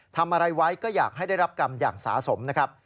ทำอะไรไว้ก็อยากให้ได้รับกรรมอย่างสาสมนะครับ